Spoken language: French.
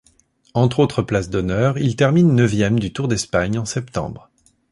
Entre autres places d'honneur, il termine neuvième du Tour d'Espagne en septembre.